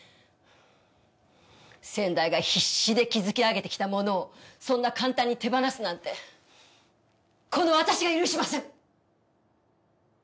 先代が必死で築き上げてきたものをそんな簡単に手放すなんてこの私が許しません！